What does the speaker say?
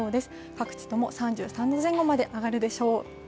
各地とも３３度前後まで上がるでしょう。